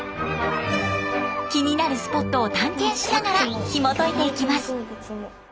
気になるスポットを探検しながらひもといていきます。